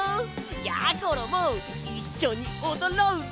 やころもいっしょにおどろうぜ！